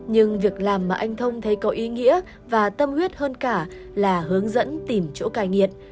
nhưng việc làm mà anh thông thấy có ý nghĩa và tâm huyết hơn cả là hướng dẫn tìm chỗ cai nghiện